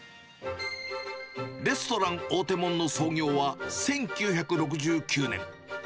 レストラン大手門の創業は１９６９年。